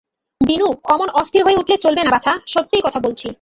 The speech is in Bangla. বিনু, অমন অস্থির হয়ে উঠলে চলবে না বাছা– সত্যি কথাই বলছি।